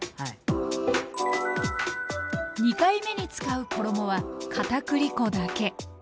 ２回目に使う衣はかたくり粉だけ。